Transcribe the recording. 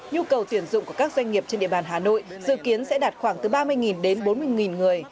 nhu cầu tuyển dụng của các doanh nghiệp trên địa bàn hà nội dự kiến sẽ đạt khoảng từ ba mươi đến bốn mươi người